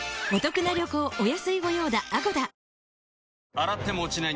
洗っても落ちない